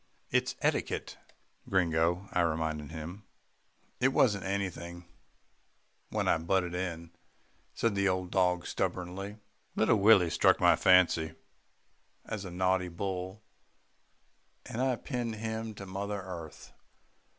"It's etiquette, Gringo," I reminded him. "It wasn't anything when I butted in," said the old dog stubbornly. "Little Willie struck my fancy as a naughty bull, and I pinned him to mother earth.